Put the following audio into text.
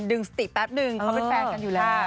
สติแป๊บนึงเขาเป็นแฟนกันอยู่แล้ว